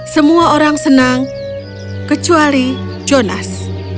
semua orang senang kecuali jonas